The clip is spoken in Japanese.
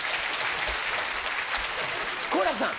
好楽さん。